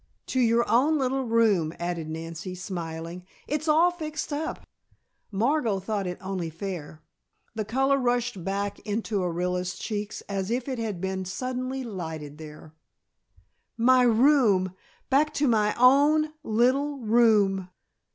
"To your own little room," added Nancy, smiling. "It's all fixed. Margot thought it only fair " The color rushed back into Orilla's cheeks as if it had been suddenly lighted there. "My room! Back to my own little room!"